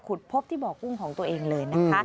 พบที่บ่อกุ้งของตัวเองเลยนะคะ